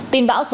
tình báo số hai